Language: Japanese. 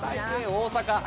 大阪。